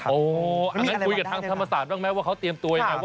อ๋อเขาพูดกับธรรมาสาธิบันแม้ว่าเขาเตรียมตัวอย่างไร